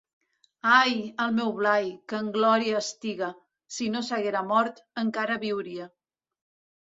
Ai, el meu Blai, que en glòria estiga; si no s'haguera mort, encara viuria.